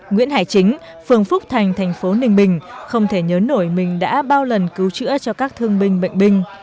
nguyễn hải chính phường phúc thành thành phố ninh bình không thể nhớ nổi mình đã bao lần cứu chữa cho các thương binh bệnh binh